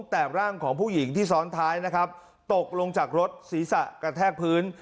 แต่ร่างของผู้หญิงที่ซ้อนท้ายนะครับตกลงจากรถศีรษะกระแทกพื้น